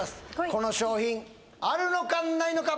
この商品あるのかないのか？